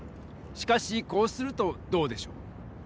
しかしこうするとどうでしょう？